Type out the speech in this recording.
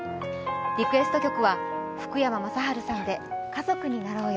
リクエスト曲は福山雅治さんで「家族になろうよ」。